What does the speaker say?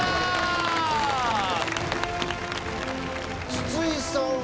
筒井さん。